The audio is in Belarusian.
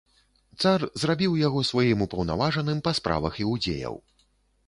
Цар зрабіў яго сваім упаўнаважаным па справах іудзеяў.